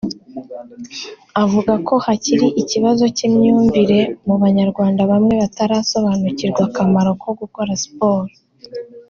avuga ko hakiri ikibazo cy’imyumvire mu Banyarwanda bamwe batarasobanukirwa akamaro ko gukora siporo